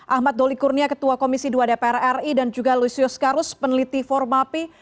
ahmad doli kurnia ketua komisi dua dpr ri dan juga lusius karus peneliti formapi